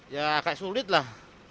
ya agak sulit lah